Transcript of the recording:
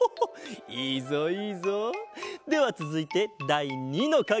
いいぞいいぞ。ではつづいてだい２のかげだ。